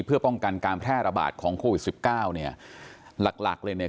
เพื่อป้องกันการแพร่ระบาดของโควิด๑๙เนี่ยหลักเลยเนี่ย